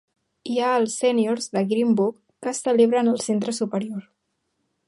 Hi ha els Sèniors de Green Brook, que es celebren al Centre Superior.